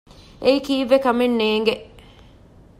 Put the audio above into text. އެއީ ކީއްވެ ކަމެއް ނޭނގެ